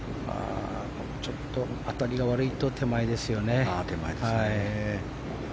ちょっと当たりが悪いと手前ですよね。